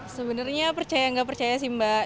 sebenarnya percaya nggak percaya sih mbak